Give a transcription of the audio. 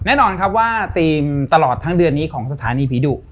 แน่นอนครับว่าทีมตลอดทั้งเดือนนี้ของสถานีผีดุ